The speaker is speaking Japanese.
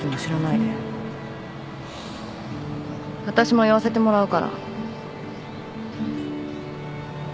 わたしも言わせてもらうから。